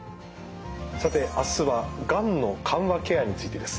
さて明日はがんの緩和ケアについてです。